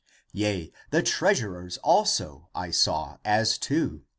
Yea, the treasures also I saw as two.